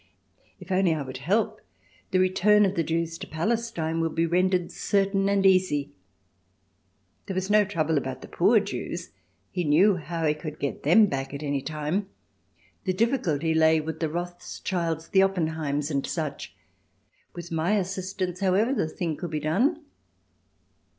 If only I would help, the return of the Jews to Palestine would be rendered certain and easy. There was no trouble about the poor Jews, he knew how he could get them back at any time; the difficulty lay with the Rothschilds, the Oppenheims and such; with my assistance, however, the thing could be done.